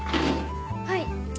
はい。